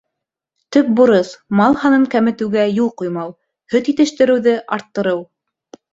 Төп бурыс — мал һанын кәметеүгә юл ҡуймау, һөт етештереүҙе арттырыу.